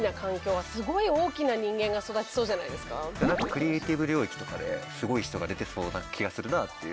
クリエーティブ領域とかですごい人が出てそうな気がするな。